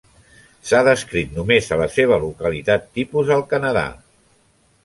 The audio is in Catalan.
S'ha descrit només a la seva localitat tipus, al Canadà.